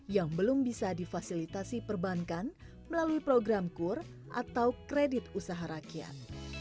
yang belum bisa difasilitasi perbankan melalui program kur atau kredit usaha rakyat